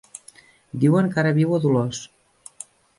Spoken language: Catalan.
Diuen que ara viu a Dolors.